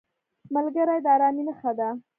ملګری د ارامۍ نښه ده